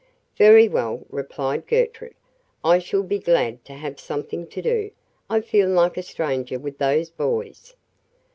"Very well," replied Gertrude, "I shall be glad to have something to do. I feel like a stranger with those boys."